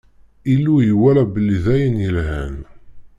Illu iwala belli d ayen yelhan.